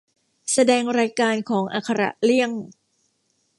แสดงรายการของอักขระเลี่ยง